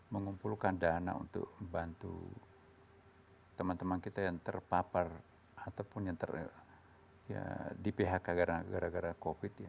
mengumpulkan dana untuk membantu teman teman kita yang terpapar ataupun yang di phk gara gara covid ya